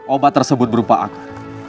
obat tersebut berupa akar